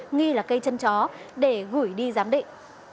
nghi là cây chân chó để gửi đi giám định